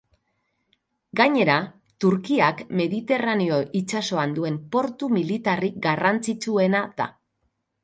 Gainera, Turkiak Mediterraneo itsasoan duen portu militarrik garrantzitsuena da.